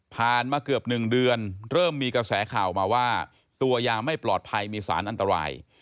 มาเกือบ๑เดือนเริ่มมีกระแสข่าวมาว่าตัวยาไม่ปลอดภัยมีสารอันตราย